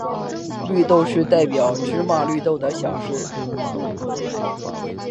绿豆是代表芝麻绿豆的小事。